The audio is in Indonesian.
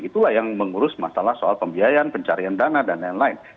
itulah yang mengurus masalah soal pembiayaan pencarian dana dan lain lain